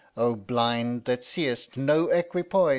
Oh blind, that seest No equipoise